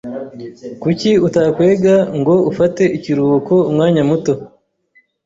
Kuki utakwega ngo ufate ikiruhuko umwanya muto?